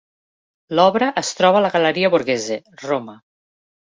L'obra es troba a la Galeria Borghese, Roma.